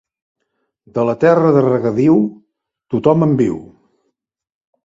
De la terra de regadiu, tothom en viu.